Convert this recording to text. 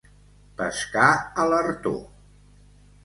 Pescar a l'artó.